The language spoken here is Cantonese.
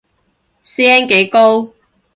師兄幾高